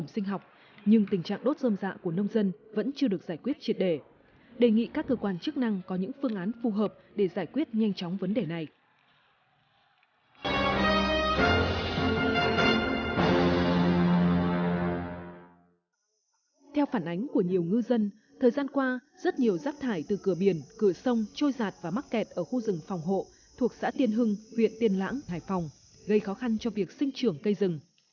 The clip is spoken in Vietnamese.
xin kính chào tạm biệt và hẹn gặp lại trong chương trình lần sau